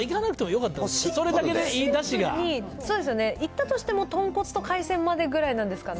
いったとしても豚骨と海鮮までぐらいなんですかね。